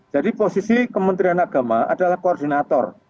jadi posisi kementerian agama adalah koordinator